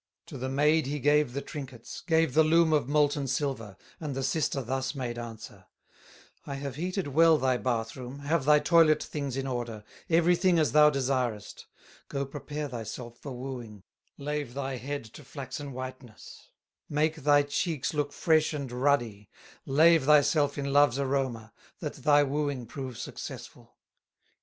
To the maid he gave the trinkets, Gave the loom of molten silver, And the sister thus made answer: "I have heated well thy bath room, Have thy toilet things in order, Everything as thou desirest; Go prepare thyself for wooing, Lave thy head to flaxen whiteness, Make thy cheeks look fresh and ruddy, Lave thyself in Love's aroma, That thy wooing prove successful."